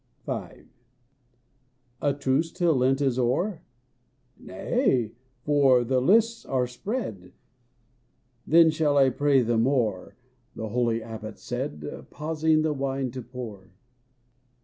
V. "A truce till Lent is o'er? Nay, for the lists are spread I" "Then shall I pray the more," (The holy Abbot said, Pausing the wine to pour, VI.